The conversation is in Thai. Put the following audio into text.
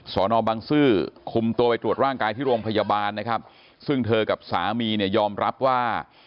สอนอบังซื้อคุมตัวไปตรวจร่างกายที่โรงพยาบาลนะครับซึ่งเธอกับสามีเนี่ยยอมรับว่า